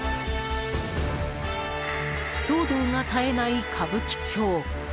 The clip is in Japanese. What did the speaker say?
騒動が絶えない歌舞伎町。